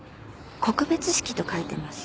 告別式と書いてます。